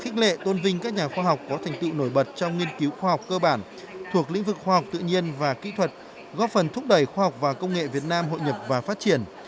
có thành tựu nổi bật trong nghiên cứu khoa học cơ bản thuộc lĩnh vực khoa học tự nhiên và kỹ thuật góp phần thúc đẩy khoa học và công nghệ việt nam hội nhập và phát triển